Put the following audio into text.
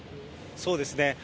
そうですね。